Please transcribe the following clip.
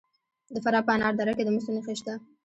د فراه په انار دره کې د مسو نښې شته.